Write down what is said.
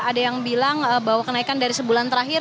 ada yang bilang bahwa kenaikan dari sebulan terakhir